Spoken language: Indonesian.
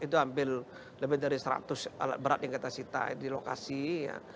itu hampir lebih dari seratus alat berat yang kita sita di lokasi ya